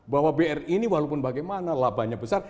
bahwa bri ini walaupun bagaimana labanya besar